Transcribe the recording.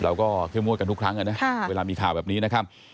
เข้มงวดกันทุกครั้งนะเวลามีข่าวแบบนี้นะครับ